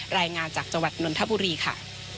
รายงานจากจังหวัดนนทบุรีค่ะ